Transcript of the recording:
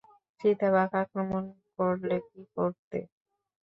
চিতাবাঘ আক্রমণ করলে কী করতে?